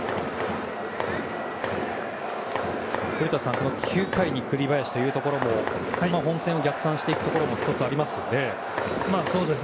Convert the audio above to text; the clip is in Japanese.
古田さん９回に栗林というところも本戦を逆算していくところも１つありますね。